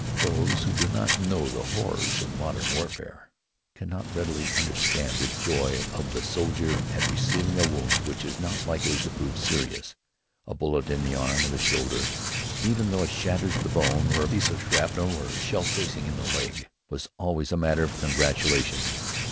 Those who do not know the horrors of modern warfare cannot readily understand the joy of the soldier at receiving a wound which is not likely to prove serious. A bullet in the arm or the shoulder, even though it shatters the bone, or a piece of shrapnel or shell casing in the leg, was always a matter for congratulation.